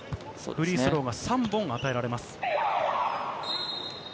フリースローが３本与えられます。